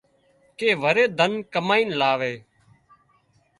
ڪي وري ڌن ڪامئينَ لاوي